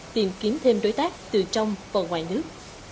tìm kiếm thêm đối tác từ trong và ngoài nước